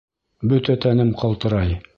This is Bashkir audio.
Бөтә тәнем ҡалтырай.